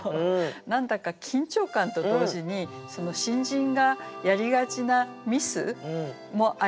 何だか緊張感と同時に新人がやりがちなミスもありますよね